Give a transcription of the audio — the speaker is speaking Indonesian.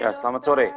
ya selamat sore